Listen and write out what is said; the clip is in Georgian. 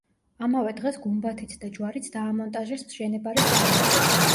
ამავე დღეს გუმბათიც და ჯვარიც დაამონტაჟეს მშენებარე სამრეკლოზე.